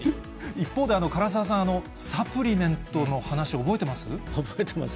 一方で唐沢さん、サプリメントの話って覚えてます？